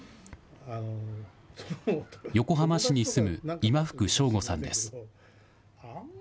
横浜市に住む今福勝吾さんです。